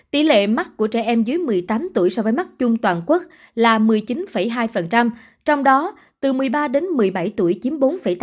tỷ lệ mắc của trẻ em dưới một mươi tám tuổi so với mắt chung toàn quốc là một mươi chín hai trong đó từ một mươi ba đến một mươi bảy tuổi chiếm bốn tám